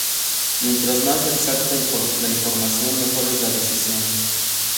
Mientras más exacta la información, mejor es la decisión.